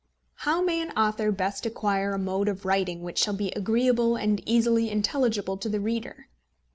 How may an author best acquire a mode of writing which shall be agreeable and easily intelligible to the reader?